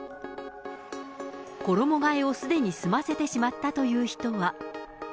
衣がえをすでに済ませてしまったという人は。